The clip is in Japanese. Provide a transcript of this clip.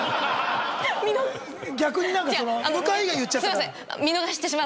逆に何か向井以外言っちゃったから。